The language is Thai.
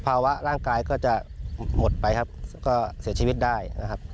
ภาวะร่างกายก็จะหมดไปครับก็เสียชีวิตได้นะครับ